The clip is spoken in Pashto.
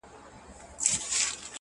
زه يم دا مه وايه چي تا وړي څوك ـ